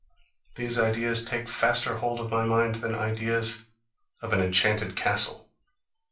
These ideas take faster hold of my mind than ideas of an enchanted castle.